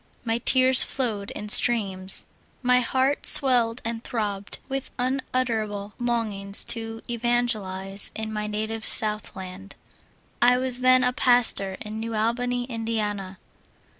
M3 tears flowed in streams ; my heart swelled and throbbed with unutterable longings to evan gelize in my native Southland. I was then a pastor in New Albany, Indiana.